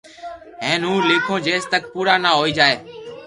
ھين ھون ليکون جيس تڪ پورا نہ ھوئي جائي